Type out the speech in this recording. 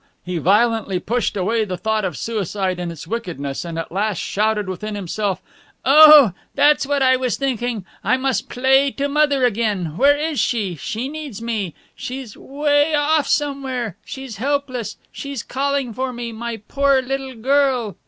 He violently pushed away the thought of suicide and its wickedness, and at last shouted, within himself: "Oh, that's what I was thinking! I must play to Mother again! Where is she? She needs me. She's 'way off somewhere; she's helpless; she's calling for me my poor little girl."